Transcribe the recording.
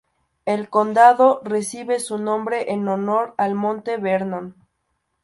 El condado recibe su nombre en honor al Monte Vernon.